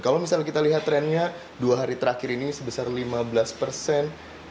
kalau misalnya kita lihat trennya dua hari terakhir ini sebesar lima belas persen